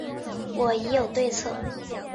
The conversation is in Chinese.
我已经有对策